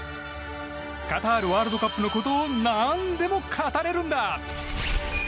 カタールワールドカップのことを何でも語れるんだ。